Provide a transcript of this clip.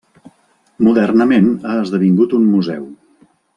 Modernament ha esdevingut un museu.